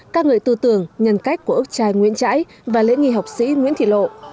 ca ngợi tư tưởng nhân cách của ước trai nguyễn trãi và lễ nghi học sĩ nguyễn thị lộ